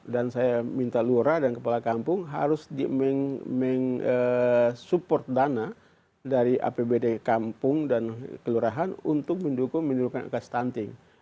dan saya minta lura dan kepala kampung harus support dana dari apbd kampung dan kelurahan untuk mendukung mendukung angka stunting